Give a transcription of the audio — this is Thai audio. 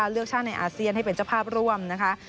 เลือกชาติในอาเซียนให้เป็นเจ้าภาพร่วมนะคะ